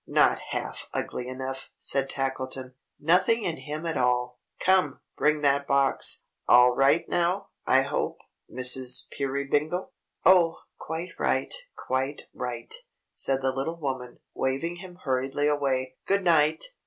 "Not half ugly enough," said Tackleton. "Nothing in him at all. Come! Bring that box! All right now, I hope, Mrs. Peerybingle?" "Oh, quite right! Quite right!" said the little woman, waving him hurriedly away. "Good night!"